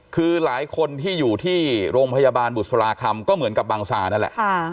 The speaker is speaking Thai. คือหลายคนที่อยู่ที่โรงพยาบาลบุษราคำก็เหมือนกับบังซานั่นแหละ